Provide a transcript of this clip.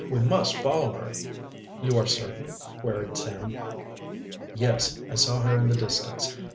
"We must follow her!" "You are certain?" queried Sam. "Yes, I saw her in the distance.